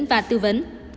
hoặc tư vấn